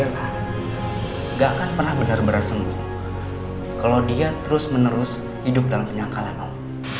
na gak akan pernah benar benar sembuh kalau dia terus menerus hidup dalam kenyangka natal